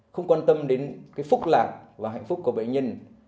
không quan tâm đến cái phúc lạc và hạnh phúc của bệnh nhân